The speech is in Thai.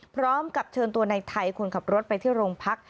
พร้อมกับเชิญตัวในไทยคนขับรถไปที่โรงพัก